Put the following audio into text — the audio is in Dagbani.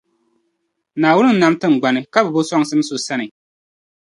Naawun n nam tiŋŋgbani ka bi bo soŋsim so sani.